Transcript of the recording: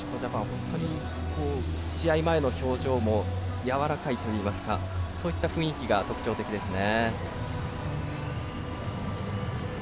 本当に、試合前の表情もやわらかいといいますかそういった雰囲気が特徴的ですね。